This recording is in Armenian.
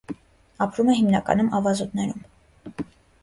Ապրում է հիմնականում ավազուտներում։